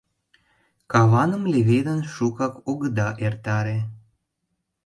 Каваным леведын, шукак огыда эртаре.